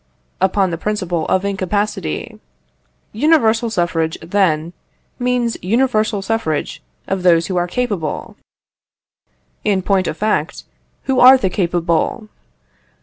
Upon the principle of incapacity. Universal suffrage, then, means universal suffrage of those who are capable. In point of fact, who are the capable?